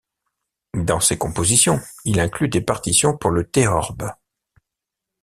Dans ces compositions, il inclut des partitions pour le théorbe.